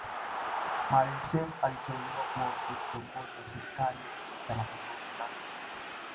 Maalim Self aliteuliwa kuwa waziri kiongozi wa serikali ya mapinduzi Zanzibari